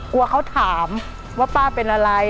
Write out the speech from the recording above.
กลัวเขาถามว่าป้าเป็นอะไร